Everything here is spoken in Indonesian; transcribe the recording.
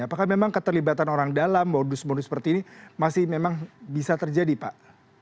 apakah memang keterlibatan orang dalam modus modus seperti ini masih memang bisa terjadi pak